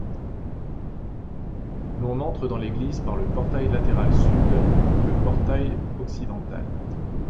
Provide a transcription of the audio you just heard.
L'on entre dans l'église par le portail latéral sud ou le portail occidental.